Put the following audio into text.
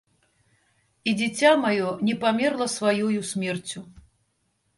І дзіця маё не памерла сваёю смерцю.